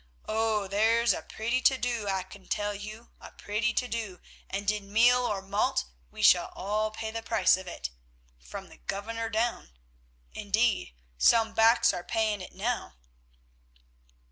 Oh! there's a pretty to do, I can tell you, a pretty to do, and in meal or malt we shall all pay the price of it, from the Governor down. Indeed, some backs are paying it now."